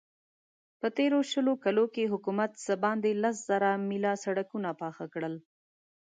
په تېرو شلو کالو کې حکومت څه باندې لس زره مايله سړکونه پاخه کړل.